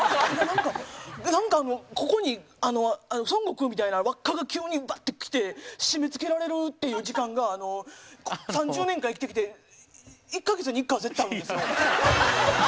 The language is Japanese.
なんかなんかここに孫悟空みたいな輪っかが急にバッてきて締め付けられるっていう時間が３０年間生きてきて１カ月に１回は絶対あるんですよ。